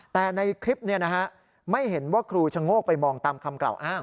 แต่ในคลิปไม่เห็นว่าครูชะโงกไปมองตามคำกล่าวอ้าง